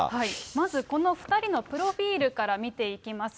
まずこの２人のプロフィールから見ていきます。